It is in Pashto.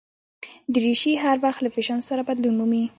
دریشي هر وخت له فېشن سره بدلون مومي.